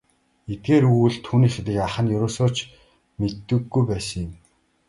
Эдгээр өгүүлэл түүнийх гэдгийг ах нь ердөөсөө ч мэддэггүй байсан юм.